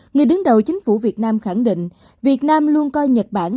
người đứng đầu chính phủ việt nam khẳng định việt nam luôn coi nhật bản